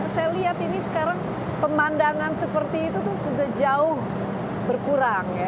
saya lihat ini sekarang pemandangan seperti itu sudah jauh berkurang ya